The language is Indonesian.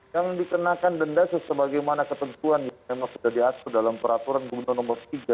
yang dikenakan denda sesemanggimana ketentuan yang sudah diatur dalam peraturan gubernur nomor tiga